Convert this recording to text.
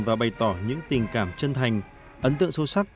và bày tỏ những tình cảm chân thành ấn tượng sâu sắc